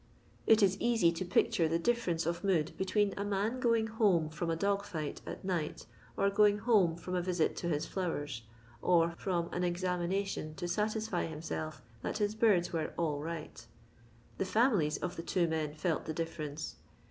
It is easy to picture the difference of mood between a man going home from a dog fight at night, or going home from a visit to his flowers, or from an examination to satisfy himself that his birds were " all right." The families of the two men felt the difference.